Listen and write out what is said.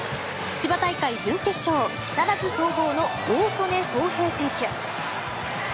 千葉大会準決勝木更津総合の大曽根蒼平選手。